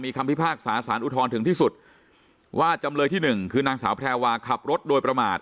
คำพิพากษาสารอุทธรณ์ถึงที่สุดว่าจำเลยที่หนึ่งคือนางสาวแพรวาขับรถโดยประมาท